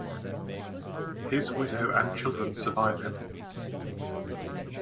His widow and children survive him.